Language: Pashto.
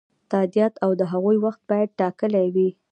تادیات او د هغو وخت باید ټاکلی وي.